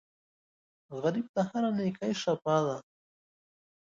غریب ته هره نېکۍ شفاء ده